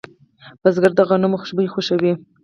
بزګر د غنمو خوشبو خوښوي